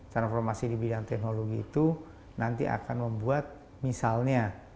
transformasi di bidang teknologi itu nanti akan membuat misalnya